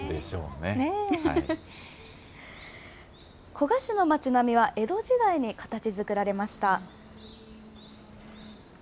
古河市の町並みは、江戸時代に形づくられました。